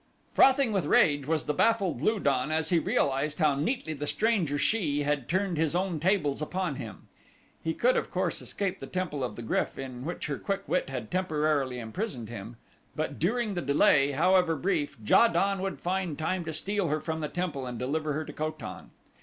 Frothing with rage was the baffled Lu don as he realized how neatly the stranger she had turned his own tables upon him. He could of course escape the Temple of the Gryf in which her quick wit had temporarily imprisoned him; but during the delay, however brief, Ja don would find time to steal her from the temple and deliver her to Ko tan.